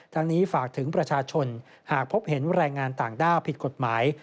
ทั้งนี้ฝากถึงประชาชนหากพบเห็นแรงงานต่างด้าวผิดกฎหมาย